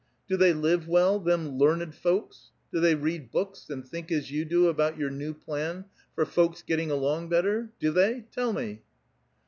'' Do they live well, them learned folks ? Do they read books, and think as yo\x do about your new plan for folks getting along better ? Do they ? Tell me